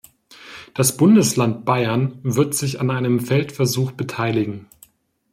Das Bundesland Bayern wird sich an einem Feldversuch beteiligen.